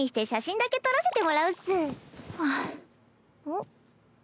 ん？